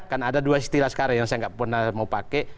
kan ada dua istilah sekarang yang saya nggak pernah mau pakai